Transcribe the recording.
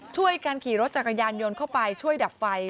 ช่วยกันขี่รถจักรยานยนต์เข้าไปช่วยดับไฟ